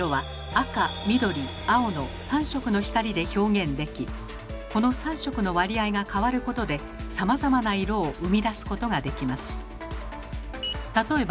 赤緑青の３色の光で表現できこの３色の割合が変わることでさまざまな色を生み出すことができます。